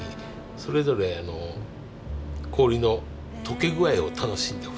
それぞれ氷のとけ具合を楽しんでほしいです。